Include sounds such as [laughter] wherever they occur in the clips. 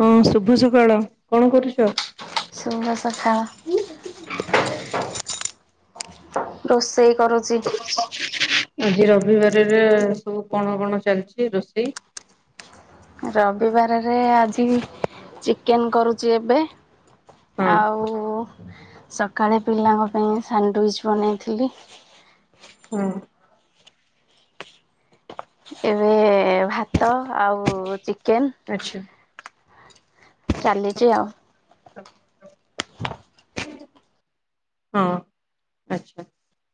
ହଁ ଶୁଭ ସକାଳ କଣ କରୁଛ? ଶୁଭ ସକାଳ। ରୋଷେଇ କରୁ ଆଜି ରବିବାର ରେ ସବୁ କଣ କଣ ଚାଲିଛି ରୋଷେଇ? ରବିବାର ରେ ଆଜି ଚିକେନ୍ କରୁଛି ଏବେ। ହଁ। ଆଉ ସକାଳେ ପିଲାଙ୍କ ପାଇଁ ସାଣ୍ଡୁଇଚି ବନେଇଥିଲି। ହୁଁ। ଏବେ ଭାତ ଆଉ ଚିକେନ୍। ଆଚ୍ଛା। ଚାଲିଚି ଆଉ। [unintelligible] ହଁ ଆଚ୍ଛା।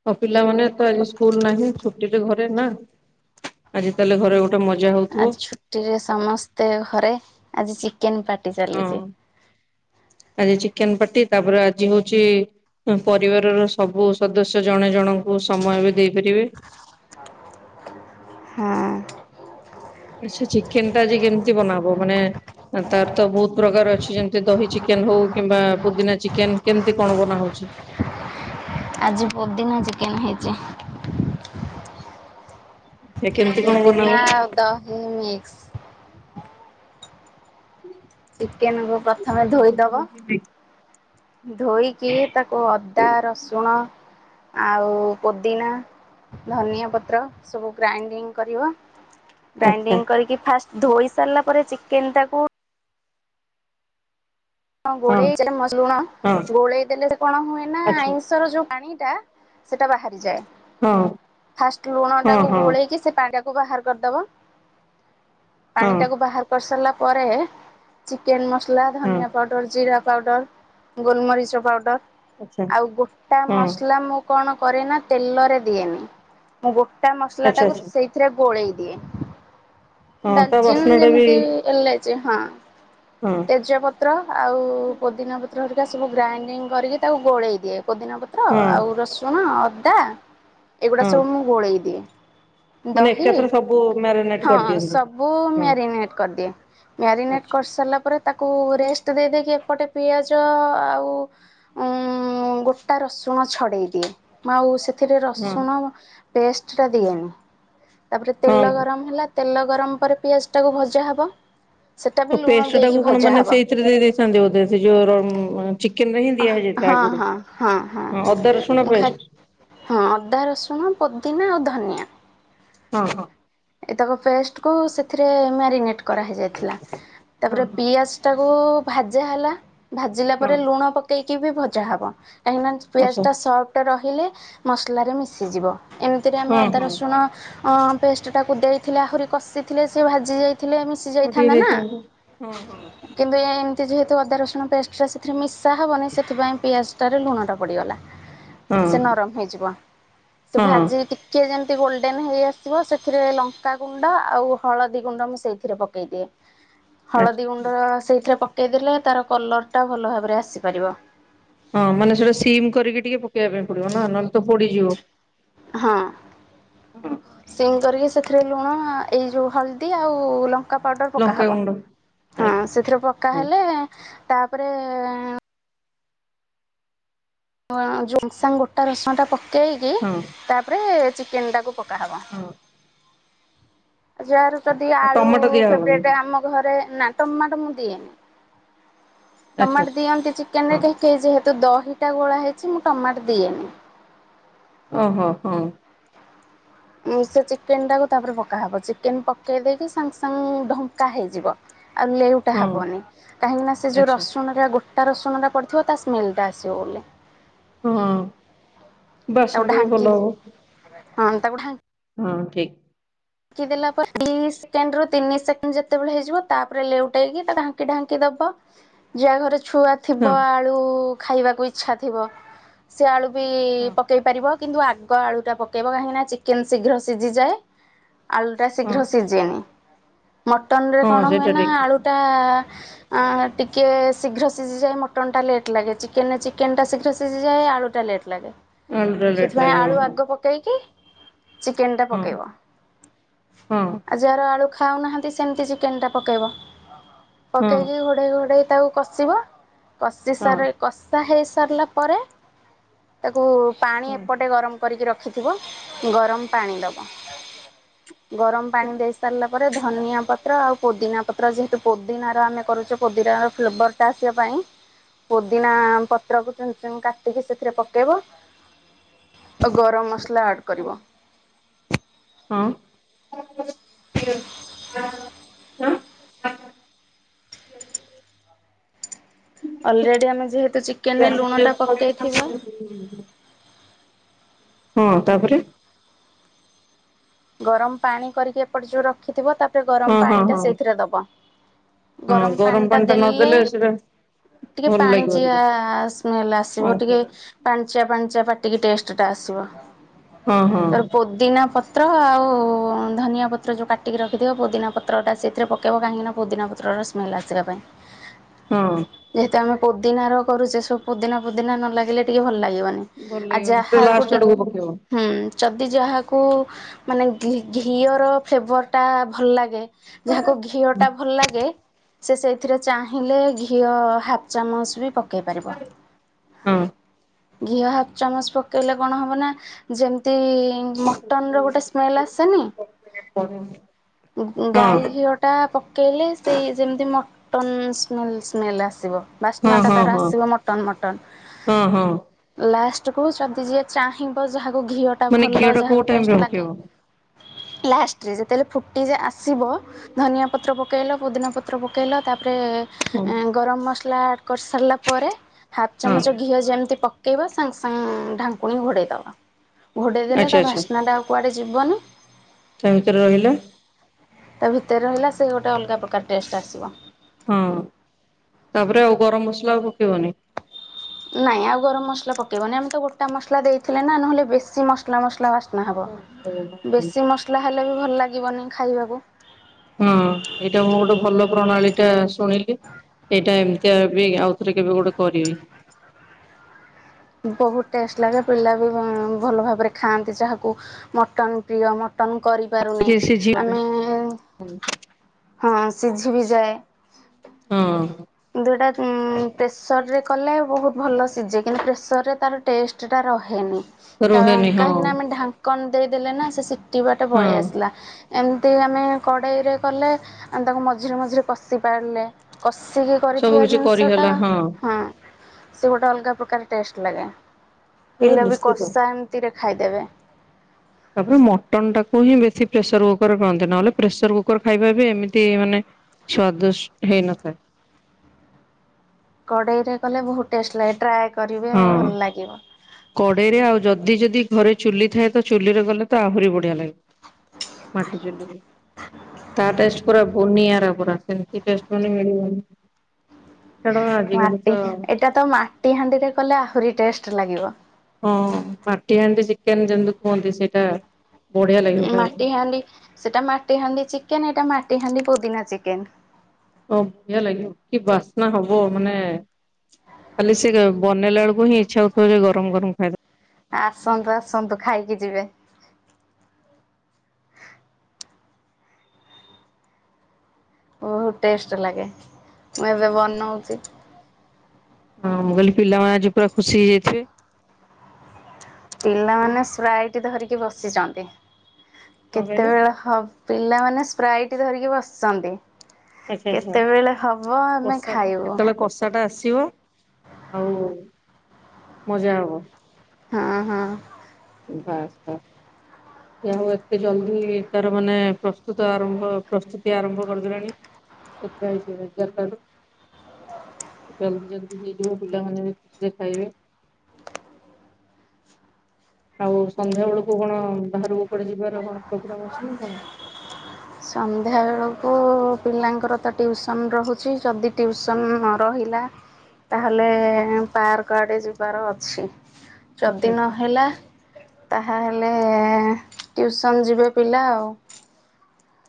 ହଉ ପିଲାମାନେ ତ ଆଜି ସ୍କୁଲ ନାହିଁ ଛୁଟିରେ ଘରେ ନା ଆଜି ତାହେଲେ ଘରେ ଗୋ ମଜା ହଉଥିବ। ପାର୍ଟି ରେ ସମସ୍ତେ ଘରେ ଆଜି ଚିକେନ୍ ପା ହଁ ଆଜି ଚିକେନ୍ ପାର୍ଟି ତାପରେ ଆଜି ହଉଛି ପରିବାରର ସବୁ ସଦସ୍ୟ ଜଣେ ଜଣଙ୍କୁ ସମୟ ବି ଦେଇପାରିବେ। ହଁ। ଆଚ୍ଛା ଚିକେନ୍ ଟା ଆଜି କେମିତି ବନାହବ ମାନେ ତାର ତ ବହୁତ୍ ପ୍ରକାର ଅଛି ଯେମିତି ଦହି ଚିକେନ୍ ହଉ କିମ୍ବା ପୁଦିନା ଚିକେନ୍ କେମିତି କଣ ବନା ହଉଛି? ଆଜି ପୋଦିନା ଚିକେନ୍ ହେଇଛି। ସେ କେମିତି କଣ ବନାହୁଏ? ପୁଦିନା ଆଉ ଦହି ମିକ୍ସ୍। ଚିକେନ୍ କୁୁ ପ୍ରଥମେ ଧୋଇଦବ। ଧୋଇକି ତାକୁ ଅଦା, ରସୁଣ ଆଉ ପୋଦିନା ଧନିଆ ପତ୍ର ସବୁ ଗ୍ରାଇଣ୍ଡିଙ୍ଗ୍ କରିବ। ଆଚ୍ଛା ଗ୍ରାଇଣ୍ଡିଙ୍ଗ୍ କରିକି ଫାଷ୍ଟ୍ ଧୋଇ ସାରିଲା ପରେ ଚିକେନ୍ ଟାକୁ ହଁ ଗୋଲେଇ ହଁ [unintelligible] ଗୋଳେଇ ଦେଲେ କଣ ହୁଏ ନା ଆଚ୍ଛା ଆଇଁଷର ଯୋଉ ପାଣି ଟା ସେଟା ବାହାରିଯାଏ ହଁ ଫାଷ୍ଟ୍ ଲୁଣ ହଁ ଟାକୁ ହଁ ଗୋଳେଇକି ସେ ପାଣି ଟା ବାହାର କରିଦବ ପାଣି ହଁ ଟାକୁ ବାହାର କରିସାରିଲା ପରେ ଚିକେନ୍ ମସଲା, ହଁ ଧନିଆ ପାଉଡ଼ର, ଜିରା ପାଉଡ଼ର, ଗୋଲମରିଚ ପାଉଡ଼ର ଆଚ୍ଛା ଆଉ ଗୋଟା ହଁ ମସଲା ମୁଁ କଣ କରେ ନା ତେଲରେ ଦିଏନି। ମୁଁ ଗୋଟା ଆଚ୍ଛା ମସଲାଟାକୁ ଆଚ୍ଛା ସେଇଥିରେ ଗୋଳେଇ ଦିଏ। ହଁ ତା ଡାଲଚିିନ ବାସ୍ନା ଟା ବି ଯେମିତି ଲଚ ହଁ ହଁ। କଜପତ୍ର ଆଉ ପୋଦିନା ପତ୍ର ହରିକା ସବୁ ଗ୍ରାଇଣ୍ଡିଙ୍ଗ କରିକି ତାକୁ ଗୋଳେଇ ଦିଏ। ପୋଦିନା ପତ୍ର ପତ୍ର ହଁ ଆଉ ରସୁଣ ଅଦା ଏଗୁଡା ହଁ ସବୁ ମୁଁ ଘୋଳେଇ ଦିଏ। ମାନେ ଦହି, ଏକାଥରେ ସବୁ ମ୍ୟାରିନେଟ ହଁ କରିଦିଅନ୍ତି। ସବୁ ହଁ ମ୍ୟାରିନେଟ କରିଦିଏ। ମ୍ୟାରିନେଟ ଆଚ୍ଛା କରିସାରିଲା ପରେ ତାକୁ ରେଷ୍ଟ ଦେଇ ଦେଇକି ଏପଟେ ପିଆଜ ଆଉ ଉ ଗୋଟା ରସୁଣ ଛଡ଼େଇ ଦିଏ। ଆଉ ସେଥିରେ ରସୁଣ ପେଷ୍ଟଟା ଦେଇଦିଏ। ତାପରେ ତେଲ ହଁ ଗରମ ହେଲା ତେଲ ଗରମ ପରେ ପିଆଜ ଟାକୁ ଭଜା ହବ। ସେଟା ବି ଲୁଣ ପେଷ୍ଟ ଦେଇକି ଟାକୁ କଣ ଭଜା ମାନେ ହବ ସେଇଥିରେ ଦେଇ ଦେଇେଇଥାନ୍ତି ବୋଧେ ସେ ଯୋଉ ଚିକେନରେ ହିଁ ଦିଆ ହେଇଯାଇଥାଏ ହଁ ଆଗରୁ ହଁ ହଁ ହଁ ହ ଅଦା ରସୁଣ ମୁଁ ଖା ପେଷ୍ଟ ହଁ ଅଦା ରସୁଣ ପୋଦିନା ଆଉ ଧନିଆ ହଁ ହଁ। ଏତକ ପେଷ୍ଟକୁ ସେଥିରେ ମ୍ୟାରିନେଟ କରାହେଇଯାଇଥିଲା, ହଁ ତାପରେ ହଁ ପିଆଜ ଟାକୁ ଭାଜା ହେଲା ଭାଜିଲା ହଁ ପରେ ଲୁଣ ପକେଇକିବି ଭଜା ହବ। କାହିଁକିନା ଆଚ୍ଛା ପିଆଜଟା ସଫ୍ଟ ରହିଲେ ମସଲାରେ ମିଶିଯିବ ଏମ ଏଥିରେ ଆମେ ହଁ ହଁ ଅଦାରସୁଣ ପେଷ୍ଟଟାକୁ ଦେଇଥିଲେ ଆହୁରି କଷି ଥିଲେ ଭାଜି ହେଇଯାଇଥିଲେ। ଆଉ ମିଶିଯାଇଥାନ୍ତା ଟିକେ ନା। ହେଇଥାନ୍ତା। ହଁ ହଁ [inaudible] କିନ୍ତୁ ଏମତି ଯେହେତୁ ଅଦା ରସୁଣ ପେଷ୍ଟଟା ସେଥିରେ ମିଶା ହେବନି ସେଥିପାଇଁ ପିଆଜଟାରେ ଲୁଣଟା ପଡ଼ିଗଲା। [inaudible] ସେ ନରମ ହେଇଯିବ ସେ ହଁ ଭାଜି ଟିକେ ଯେମିତି ଗୋଲଡେନ ହେଇ ଆସିବ ସେ ଏଥିରେ ଲଙ୍କା ଗୁଣ୍ଡ ଆଉ ହଳଦୀ ଗୁଣ୍ଡ ମୁଁ ସେଇଥିରେ ପକେଇଦିଏ। ଆଚ୍ଛା ହଳଦୀ ଆଚ୍ଛା। ଗୁଣ୍ଡ ସେଇଥିରେ ପକେଇଦେଲେ ତାର କଲରଟା ଭଲ ଭାବରେ ଆସିପାରିବ। ହଁ ମାନେ ସେଟା ସିମ୍ କରିକି ଟିକେ ପକେଇବା ପାଇଁ ପଡିବନା ନହେଲେ ତ ପୋଡିଯିବ। ହଁ ହଁ ସିଙ୍ଗ କରିକି ସେଥିରେ ଲୁଣ ଏଇ ଯୋଉ ହଳଦୀ ଆଉ ଲଙ୍କା ଲଙ୍କା ପାଉଡର ପକା ହବ ଲଙ୍କାଗୁଣ୍ଡ ହଁ ଆଜ୍ଞା ସେଥିରେ ପକା ହଁ ହେଲେ ତାପରେ ଯୋଉସାଙ୍ଗ ଗୋଟା ରସୁଣ ଲଟା ପକେଇକି ହଁ ତାପରେ ଚିକେନ ଟାକୁ ପକେଇ ପକହବ। ହଁ। [inaudible] ଯାହାର ଆଚ୍ଛା ଯଦି ଆଉ ଆଳୁ ଟମାଟୋ ଦିଆହବନି ଫେବ୍ରେଟ ଆମ ଘରେ ନା ଟମାଟୋ ମୁଁ ଦିଏନି। ଆଚ୍ଛା ଟମାଟ ଆଚ୍ଛା ଦିଅନ୍ତି ଚିକେନରେ ହଁ କେହି ଯେହେତୁ ଦ ଏଇଟା ଗୋଳା ହେଇଛି ମୁଁ ଟମାଟ ଦିଏନି। ଅ ହ ହଁ। ମୁଁ ସେ ଚିକେନଟାକୁ ତାପରେ ପକାହବ, ଚିକେନ ପକେଇ ଦେଇକି ସାଙ୍ଗେ ସାଙ୍ଗେ ଢଙ୍କା ହେଇଯିବ। [inaudible] ସେଇଟା ହଁ। ହେବନି କାହିଁକିନା ସେ ଯେଉଁ ଆଚ୍ଛା ରସୁଣଟା ଗୋଟା ରସୁଣଟା ପଡ଼ିଥିବ ତା ସ୍ମେଲ୍ଟା ଆସିବ ବୋଲି। ହଁ। ତାକୁ ବାସ୍ନାଟା ବି ଭଲ ଢାଙ୍କି ହବ ହଁ ତାକୁ ଢାଙ୍କ ହଁ ଠିକ। ପକେଇଦେଲା ପରେ ଦି ସେକେଣ୍ଡରୁ ତିନି ସେକଣ୍ଡ ଯେତେବେଳେ ହେଇଯିବ ତାପରେ ଲେଉଟେଇକି ତା ଢାଙ୍କି ଢାଙ୍କି ଦବ। ଯାହା ଘରେ ଛୁଆ ହଁ। ଥିବ ଆଳୁ ଖାଇବାକୁ ଇଛା ଥିବ ସେ ଆଳୁ ବି ପକେଇ ହଁ ପକେଇ ପାରିବ କିନ୍ତୁ ଆଗ ଆଳୁଟା ପକାଇବ କାହିଁକିନା ଚିକେନ୍ ଶୀଘ୍ର ସିଝିଯାଏ। ଆଳୁଟା ହଁ ଶୀଘ୍ର ସିଝେନି, ମଟନ ରେ ହଁ କଣ ହୁଏ ସେଇଟା ନା ଠିକ୍ ଆଳୁଟା ଟିକେ ଶୀଘ୍ର ସିଝିଯାଏ, ମଟନଟା ଲେଟ୍ ଲାଗେ। ଚିକେନ ଚିକେନଟା ଶୀଘ୍ର ସିଝିଯାଏ ଆଳୁଟା ଲେଟ୍। ଲାଗେ ଆଳୁଟା ଲେଟ୍ ସେଥିପାଇଁ ଲାଗେ ହଁ ଆଳୁ ଆଗ ପକେଇକି, ଚିକେନ ଟା ହଁ। ପକେଇବ। ହଁ। ଆଉ ଯାହାର ଆଳୁ ଖାଉନାହାନ୍ତି ସେମିତି ଚିକେନଟାକୁ ପକାଇବ ହଁ ପକାଇକି ଘୋଡ଼େଇ ଘୋଡ଼େଇ ତାକୁ କଷିବ କଷି ହଁ ସାରି କଷା ହେଇସାରିଲା ପରେ ତାକୁ ପାଣି ହଁ ଏପଟେ ଗରମ କରିକି ରଖିଥିବ ଗରମ ପାଣି ଦେବ। ଗରମ ପାଣି ଦେଇ ସାରିଲା ପରେ, ଧନିଆ ପତ୍ର ପତ୍ର ଆଉ ପୋଦିନା ପତ୍ର ଯେହେତୁ ପୋଦିନାର ଆମେ କରୁଛୁ ପୋଦିନାର ଫ୍ଲେବରଟା ଆସିବା ପାଇଁ ପୋଦିନା ପତ୍ରକୁ କାଟିକି ସେଥିରେ ପକେଇବ। ଆଉ ଗରମ ମସଲା ଆଡ଼୍ କରିବ। ହଁ। ହଁ। ଅଲରେଡି ଆମେ ଯେହେତୁ ଚିକେନରେ ହଁ ଲୁଣଟା ପକେଇଥିବା ହଁ ତାପରେ ଗରମ ପାଣିଟା କରିକି ଏପଟେ ଯେଉଁ ରଖିଥିବ ତାପରେ ହଁ ଗରମ ହଁ ପାଣିଟା ହଁ ସେଇଥିରେ ଦେବ ହଁ ଗରମ ପାଣିଟା ପାଣି ଟା ଦେଲେ ନଦେଲେ ସେଟା ଟିକେ ଭଲ ଲାଗିବ ପାଣିଚିଆ ସେଟା ସ୍ମେଲ ହଁ ଆସିବ ଟିକେ। ସେଟା ପାଣିଚିଆ ପାଣିଚିଆ ପାଟିକି ଟେଷ୍ଟଟା ଆସିବ। ହଁ ହଁ। ତାର ପୋଦିନା ପ ତ୍ର ଆଉ ଧନିଆ ପତ୍ର ଯୋଉ କାଟିକି ରଖିଥିବ ପୋଦିନା ପତ୍ରଟା ସେଥିରେ ପକାଇବ କାହିଁକିନା ପୋଦିନା ପତ୍ରର ରସ ମେଲାଚରା ପାଇଁ। ହଁ। ଯେହେତୁ ଆମେ ପୋଦିନା ର କରୁଛେ ସବୁ ପୋଦିନା ପୋଦିନା ନ ଲାଗିଲେ ଟିକେ ଭଲ ଲାଗିବାନି। ଭଲ ଲାଗିବନି ସେଟା ଲାଷ୍ଟ ଆଡକୁ ପକେଇବ। ହୁଁ ଯଦି ଯାହାକୁ ମାନେ ଘିଅର ଫ୍ଲେଭରଟା ଭଲ ଲାଗେ ଯାହାକୁ ଘିଅ ଟା ଭଲ ଲାଗେ ସେ ସେଇଥିରେ ଚାହିଁଲେ ଘିଅ ହାଫ୍ ଚାମଚ ବି ପକା କେଇ ପାରିବ। ହଁ। ଘିଅ ହାଫ ଚାମଚ ପକେଇଲେ କଣ ହବ ନା ଯେମତି ଟନର ଗୋଟେ ସ୍ମେଲ୍ ଆସେନି? [unintelligible] ଗାଈ ଘିଅ ଟା ପକେଇଲେ ସେଇ ଯେମିତି ମଟନ ସ୍ମେଲ ଆସିବ। ବାସ୍ନା ଟା ହଁ ତାର ହଁ ଆସିବ ମଟନ ମଟନ। ହଁ ହଁ ଲାଷ୍ଟ କୁ ଯଦି ଯିଏ ଚାହିଁବ ଯାହାକୁ ଘିଅ ଟା ମାନେ ଭଲ ଘିଅ ଟା କୋଉ ଯାହାକୁ ଟାଇମ ଟେଷ୍ଟ ରେ ଲାଗେ। ପକେଇବ ହଁ ଲାଷ୍ଟ ରେ ଯେତେବେଳେ ଫୋ ଟିକେ ଯେ ଆସିବ ଧନିଆ ପତ୍ର ପକାଇଲ ପୋଦିନା ପତ୍ର ପକାଇଲ ତାପରେ ହଁ ଗରମ ମସଲା ଆଡ କରିସାରିଲା ପରେ ହାଫ୍ ଚାମଚ ଘିଅ ଯେମିତି ପକେଇବା ସାଙ୍ଗେ ସାଙ୍ଗେ ଢାଙ୍କୁଣୀ ଘୋଡେଇଦବ। ଘୋଡେଇ ଦେଲେ ଆଚ୍ଛା ତା ଆଚ୍ଛା ବାସ୍ନା ଟା ଆଉ କୁଆଡେ ଯିବନି। ତା ଭିତରେ ରହିଲେ ତା ଭିତରେ ରହିଲା ସେ ଗୋଟେ ଅଲଗା ପ୍ରକାର ଟେଷ୍ଟ ଆସିବ। ହଁ ତାପରେ ଆଉ ଗରମ ମସଲା ପକେଇବନି। ନାଇଁ ଆଉ ଗରମ ମସଲା ପକେଇବନି ଆମେ ତ ଗୋଟା ମସଲା ଦେଇଥିଲେ ନା ନହେଲେ ବେଶୀ ମସଲା ମସଲା ମସଲା ବାସ୍ନା ହେବ ବେଶୀ ମସଲା ହେଲେ ବି ଭଲ ଲାଗିବନି ଖାଇବାକୁ। ହଁ ଏଇଟା ମୁଁ ଗୋଟେ ଭଲ ପ୍ରଣାଳୀ ଟା ଶୁଣିଲି। ଏଇଟା ଏମିତି ବି ଆଉ ଥରେ କେବେ ଗୋଟେ କରିବି। ବହୁତ ଟେଷ୍ଟ ଲାଗେ ପିଲା ବି ଭଲ ଭାବରେ ଖାଆନ୍ତି ଯାହାକୁ ମଟନ୍ ପ୍ରିୟ ମ। ଟନ କରିପାରୁନି ଟିକେ ସେ ଝିଅ ବି ଆମେ ହଁ ସିଝି ବି ଯାଏ। ହୁଁ। ଦୁଇଟା ପ୍ରେସରରେ କଲେ ବହୁତ ଭଲ ସିଝେ କିନ୍ତୁ ପ୍ରେସରରେ ତାର ଟେଷ୍ଟଟା ରହେନି। ରୁହେନି ହଁ କାହିଁକି ନା ଆମେ ଢାଙ୍କନ ଦେଇଦେଲେ ନା ସେ ସେତିକି ବାଟ ହଁ ପଳେଇ ଆସିଲା। ଏମିତି ଆମେ କଡ଼େଇରେ କଲେ ଆମେ ତାକୁ ମଝିରେ ମଝିରେ କଷିପାରିଲେ କଷି। କଶିକି ସବୁ କରିଥିବା କିଛି ଜିନିଷଟା କରିହେଲା ହଁ ସେ ଗୋଟେ ଅଲଗା ପ୍ରକାର ଟେଷ୍ଟ ଲାଗେ ହଁ ପିଲା ବି ନିଶ୍ଚିତ। କଷା ଏମିତି ରେ ଖାଇଦେବେ। ତାପରେ ମଟନ ଟାକୁ ହିଁ ବେଶୀ ପ୍ରେସର କୁକୁର ଖାଆନ୍ତି ନହେଲେ ପ୍ରେସର କୁକର ଖାଇବା ବି ଏମିତି ମାନେ ସ୍ଵାଦୁଷ୍ଟି ହେଇନପାରେ। କଡେଇରେ କଲେ ବହୁତ ଟେଷ୍ଟ ଲାଗେ ଟ୍ରାଏ କରିବେ ହଁ। ଭଲ ଲାଗିବ। କଡେଇରେ ଆଉ ଯଦି ଯଦି ଘରେ ଚୁଲି ଥାଏ ତ ଚୁଲିରେ ଗଲେ ତ ଆହୁରି ବଢିଆ ଲାଗିବ। ମାଟି ଚଲିରେ ତା ଟେଷ୍ଟ ପୁରା ବନିଆରା ପୁରା ଏମିତି ଟେଷ୍ଟ ମାନେ ମିଳିବନି। ଛାଡ ଆଜିକାଲି ତ ମାଟି ଏଟା ତ ମାଟି ହାଣ୍ଡିରେ କଲେ ଆହୁରି ଟେଷ୍ଟ ଲାଗିବ। ହଁ ମାଟି ହାଣ୍ଡି ଚିକେନ ଯେମିତି କୁହନ୍ତି ସେଇଟା। ବଢିଆ ଲାଗିବ ଖାଇବାକୁ ମାଟି ହାଣ୍ଡି ସେଟା ମାଟି ହାଣ୍ଡି ଚିକେନ ଏଇଟା ମାଟି ହାଣ୍ଡି ପୋଦିନା ଚିକେନ। ଓ ବଢ଼ିଆ ଲାଗିବ କି ବାସ୍ନା ହବ ମାନେ। ଖାଲି ସେ ବେଳକୁ ହିଁ ଇଚ୍ଛା ହଉଥିବ ଯେ ଗରମ ଗରମ ଖାଇଦବ। ଆସନ୍ତୁ ଆସନ୍ତୁ ଖାଇକି ଯିବେ। ବହୁତ ଟେଷ୍ଟ ଲାଗେ ମୁଁ ଏବେ। ହଁ ମୁଁ କହିଲି ପିଲାମାନେ ଆଜି ପୁରା ଖୁସି ହେଇଯାଇଥିବେ। ପିଲାମାନେ ସ୍ପ୍ରାଇଟ ଧରିକି ବସିଛନ୍ତି କଣ କହିଲେ କେତେବେଳେ ହବ। ପିଲାମାନେ ସ୍ପ୍ରାଇଟ୍ ଧରିକି ବସିଛନ୍ତି। ଆଚ୍ଛା ଆଚ୍ଛା କେତେବେଳେ ହବ ଆମେ ଖାଇବୁ। ସେଟା ଆସିବ ଆଉ ମଜା ହବ। ହଁ ହଁ। ବାସ୍ ବାସ୍। ଯାହା ହଉ ଏତେ ଜଲଦି ତାର ମାନେ ପ୍ରସ୍ତୁତ ଆରମ୍ଭ ପ୍ରସ୍ତୁତି ଆରମ୍ଭ କରିଦେଲଣି। ସପ୍ରାଇଜ ଦେବେ ଏଗାର ଟା ବେଳୁ। ଜଲ୍ଦୀ ଜଲ୍ଦୀ ହେଇଯିବ ପିଲାମାନେ ବି ଖୁସିରେ ଖାଇବେ। ଆଉ ସନ୍ଧ୍ୟା ବେଳକୁ କଣ ବାହହାର ଉପଡେ ଯିବାର କଣ ପୋଗ୍ରମ୍ ଅଛି ନା କଣ। ସନ୍ଧ୍ୟାବେଳକୁ ପିଲାଙ୍କର ତ ଟିଉସନ ରହୁଛି ଯଦି ଟିଉସନ ନ ରହିଲା। ତାହେଲେ ପାର୍କ ଆଡେ ଯିବାର ଅଛି। ଆଚ୍ଛା ଯଦି ଆଚ୍ଛା। ନହେଲା ତାହାହେଲେ ଟିଉସନ୍ ଯିବେ ପିଲା ଆଉ।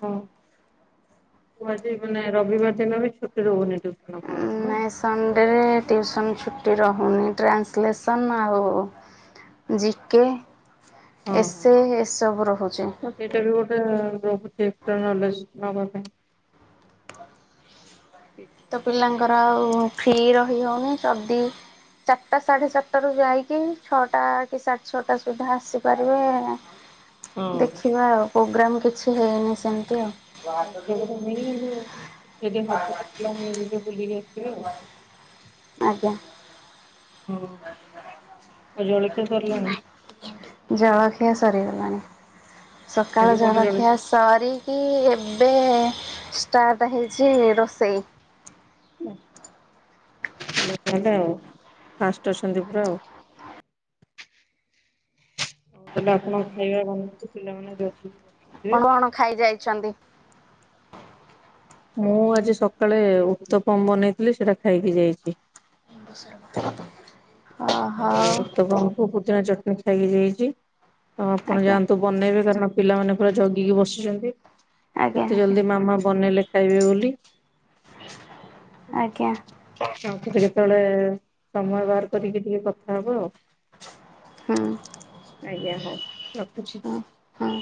ହଁ ମୁ ଆଜି ମାନେ ରବିବାର ଦିନ ବି ଛୁଟି ରହୁନି ତ। [inaudible] ନାଇଁ ସଣ୍ଡେରେ ଟ୍ୟୁସନ୍ ଛୁଟି ରହୁନି ଟ୍ରାନ୍ସଲେସନ୍ ଆଉ। ଜିକେ ଏସେ ଏସବୁ ରହୁଛେ। ଏଇଟା ବି ଗୋଟେ ରହୁଛି ଏକଷ୍ଟ୍ରା ନଲେଜ ନବା ପାଇଁ। ତ ପିଲାଙ୍କର ଆଉ ଫ୍ରି ରହି ହେଉନି ତ ଚାରିଟା ସାଢ଼େ ଚାରିଟାରୁ ଯାଇକି ଛଅଟା କି ସାଢ଼େ ଛଅଟା ସୁଦ୍ଧା ଆସିପାରିବେ। [unintelligible] ଦେଖିବା ଆଉ ପୋଗ୍ରାମ୍ କିଛି ହେଇନି ସେମିତି ଆଉ। ନେଇକି ଯିବେ ଯଦି ହବ ତ ପିଲାଙ୍କୁ ନେଇକି ବୁଲିକି ଆସିବି ଆଉ। ଆଜ୍ଞା। ହଁ ଆଉ ଜଳଖିଆ ସରିଲାଣି। ଜଳଖିଆ ସରିଗଲାଣି ଆଜି ସକାଳ କଣ ଜଳଖିଆ ସରିକି ଏବେ ଷ୍ଟାର୍ଟ ହେଇଛି ରୋଷେଇ। ଆଛା। [inaudible] ଫାଷ୍ଟ ଅଛନ୍ତି ପୁରା ଆଉ। ଆଉ ତାହେଲେ ଆପଣ ଖାଇବା ବନନ୍ତୁ ପିଲାମାନେ [inaudible] ଆପଣ କଣ ଖାଇ ଯାଇଛନ୍ତି। ମୁଁ ଆଜି ସକାଳେ ଉତ୍ତପମ ବନେଇଥିଲି ସେଇଟା ଖାଇକି ଯାଇଛି। [unintelligible] ହଉ ଉତ୍ତପମ କୁ ପୁଦିନା ଚଟଣି ଖାଇକି ଯାଇଛି ତ ଆପଣ ଆଜ୍ଞା ଯାଆନ୍ତୁ। ବନେଇବେ କାରଣ ପିଲାମାନେ ପୁରା ଜଗିକି ବସିଛନ୍ତି ଆଜ୍ଞା କେତେ ଆଜ୍ଞା ଜଲଦି ମାମା ବନେଇଲେ ଖାଇବେ ବୋଲି। ଆଜ୍ଞା। ଆଉ କେତେବେଳେ ସମୟ ବାହାର କରିକି ଟିକେ କଥା ହବ ଆଉ। ହୁଁ। ଆଜ୍ଞା ହଉ ରଖୁଛି। ହଁ।